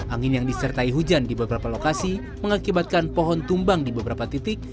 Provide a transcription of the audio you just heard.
angin yang disertai hujan di beberapa lokasi mengakibatkan pohon tumbang di beberapa titik